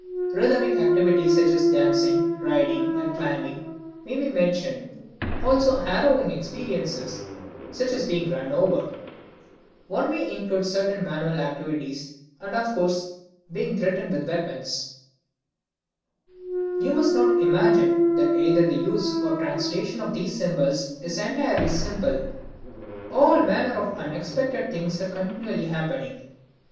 Rhythmic activities, such as dancing, riding and climbing may be mentioned, also harrowing experiences, such as being run over. One may include certain manual activities, and, of course, being threatened with weapons. You must not imagine that either the use or the translation of these symbols is entirely simple. All manner of unexpected things are continually happening.